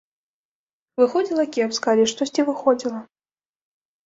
Выходзіла кепска, але штосьці выходзіла.